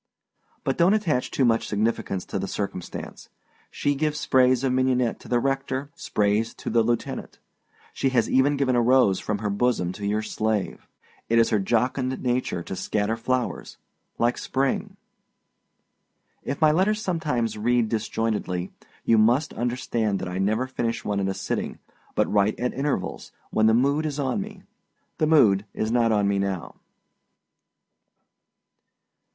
But donât attach too much significance to the circumstance. She gives sprays of mignonette to the rector, sprays to the lieutenant. She has even given a rose from her bosom to your slave. It is her jocund nature to scatter flowers, like Spring. If my letters sometimes read disjointedly, you must understand that I never finish one at a sitting, but write at intervals, when the mood is on me. The mood is not on me now.